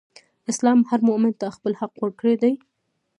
اسلام هر مؤمن ته خپل حق ورکړی دئ.